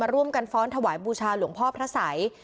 มาร่วมการฝนทวายบูชาหลวงพ่อพระใส่